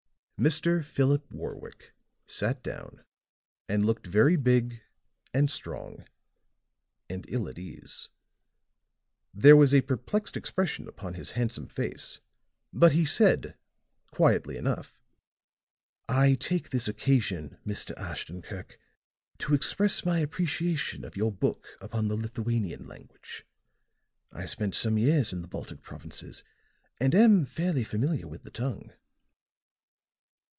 Mr. Philip Warwick sat down, and looked very big and strong and ill at ease. There was a perplexed expression upon his handsome face; but he said, quietly enough: "I take this occasion, Mr. Ashton Kirk, to express my appreciation of your book upon the Lithuanian language. I spent some years in the Baltic provinces, and am fairly familiar with the tongue."